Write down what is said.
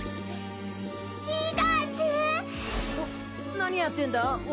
何やってんだ俺。